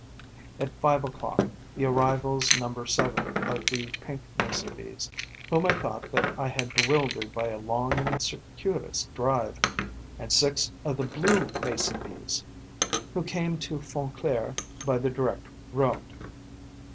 At five o'clock, the arrivals number seven of the pink Mason bees, whom I thought that I had bewildered by a long and circuitous drive, and six of the blue Mason bees, who came to Font Claire by the direct route.